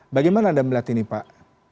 bagaimana anda melihat ini pak